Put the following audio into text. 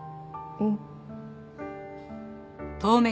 うん。